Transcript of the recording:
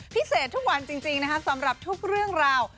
พิเศษทุกวันจริงนะครับสำหรับทุกเรื่องราว